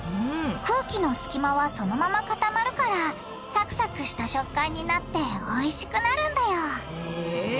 空気の隙間はそのまま固まるからサクサクした食感になっておいしくなるんだよへぇ。